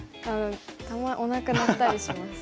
たまにおなか鳴ったりします。